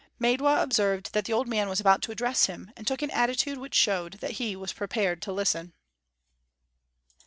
Maidwa observed that the old man was about to address him, and took an attitude which showed that he was prepared to listen.